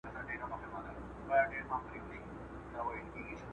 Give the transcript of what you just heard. خلګو هر څه دیني ګڼل.